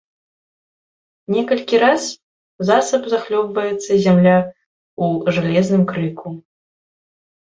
Некалькі раз засаб захлёбваецца зямля ў жалезным крыку.